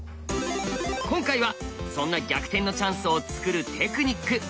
今回はそんな逆転のチャンスを作るテクニック！